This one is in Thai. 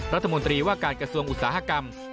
รัฐมนตรีว่าการกระทรวงอุตสาหกรรม